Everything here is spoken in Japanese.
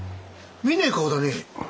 見ねえ顔だね。